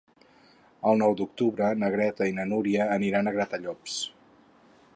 El nou d'octubre na Greta i na Núria aniran a Gratallops.